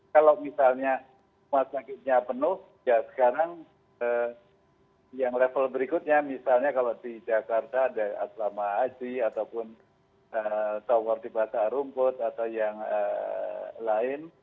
kalau misalnya rumah sakitnya penuh ya sekarang yang level berikutnya misalnya kalau di jakarta ada asrama haji ataupun tower di pasar rumput atau yang lain